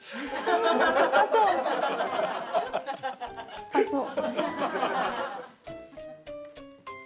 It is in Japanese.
酸っぱそう！